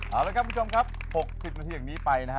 เอาละครับคุณผู้ชมครับ๖๐นาทีอย่างนี้ไปนะฮะ